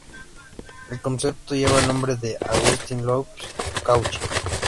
El concepto lleva el nombre de Augustin-Louis Cauchy.